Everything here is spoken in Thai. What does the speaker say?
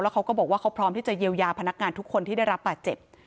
เขาก็บอกว่าเขาพร้อมที่จะเยียวยาพนักงานทุกคนที่ได้รับบาดเจ็บ